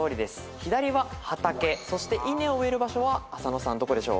左は「はたけ」そして稲を植える場所は浅野さんどこでしょう？